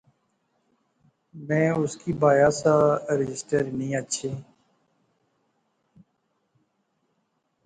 میں اُُس کی بایا سا رجسٹر ہنی اچھے